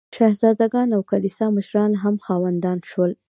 شهزاده ګان او کلیسا مشران هم خاوندان شول.